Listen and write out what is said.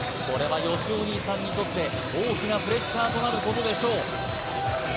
これはよしお兄さんにとって大きなプレッシャーとなることでしょう